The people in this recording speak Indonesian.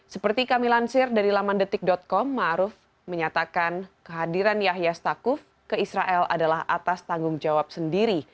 seperti kami lansir dari lamandetik com ⁇ maruf ⁇ menyatakan kehadiran yahya stakuf ke israel adalah atas tanggung jawab sendiri